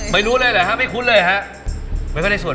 ไม่รู้เลยหรอไม่คุ้นเลยค่ะเพราะไม่ได้สวดมล